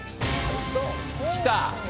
きた！